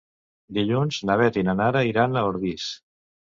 Dilluns na Beth i na Nara iran a Ordis.